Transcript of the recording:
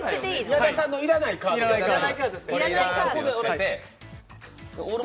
矢田さんの要らないカードですね。